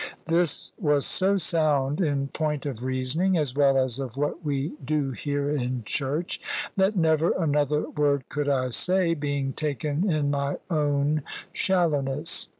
This was so sound in point of reasoning, as well as of what we do hear in church, that never another word could I say, being taken in my own shallowness.